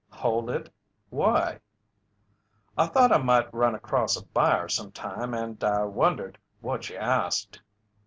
"Hold it. Why?" "I thought I might run across a buyer sometime and I wondered what you asked."